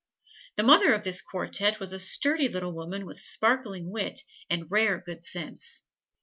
The mother of this quartette was a sturdy little woman with sparkling wit and rare good sense.